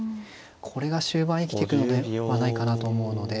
これが終盤生きてくるのではないかなと思うので。